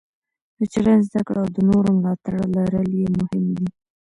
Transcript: د چلند زده کړه او د نورو ملاتړ لرل یې مهم دي.